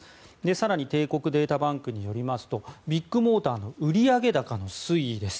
更に帝国データバンクによりますとビッグモーターの売上高の推移です。